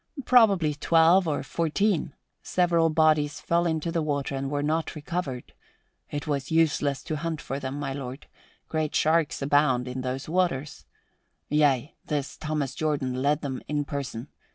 Probably twelve or fourteen. Several bodies fell into the water and were not recovered. It was useless to hunt for them, my lord. Great sharks abound in those waters. Yea, this Thomas Jordan led them in person.